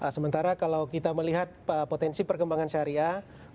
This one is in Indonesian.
sementara kalau kita melihat potensi perkembangan syariah